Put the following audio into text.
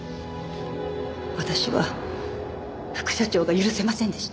私は副社長が許せませんでした。